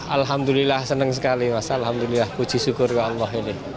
alhamdulillah senang sekali mas alhamdulillah puji syukur ke allah ini